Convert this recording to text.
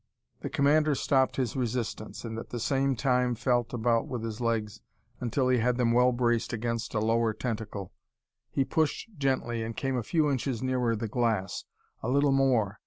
The commander stopped his resistance, and at the same time felt about with his legs until he had them well braced against a lower tentacle. He pushed gently, and came a few inches nearer the glass; a little more.